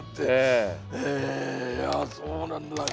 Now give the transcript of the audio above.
へえそうなんだ。